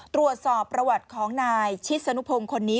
ตรวจสอบประวัติของนายชิศนุพงศ์คนนี้